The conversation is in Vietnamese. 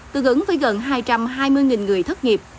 tương ứng với gần hai trăm hai mươi người thất nghiệp